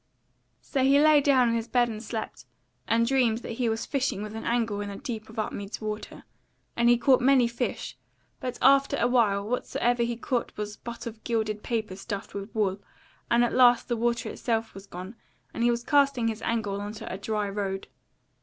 So he lay down in his bed and slept, and dreamed that he was fishing with an angle in a deep of Upmeads Water; and he caught many fish; but after a while whatsoever he caught was but of gilded paper stuffed with wool, and at last the water itself was gone, and he was casting his angle on to a dry road.